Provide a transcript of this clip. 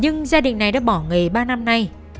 nhưng gia đình này đã bỏ nghề ba năm nay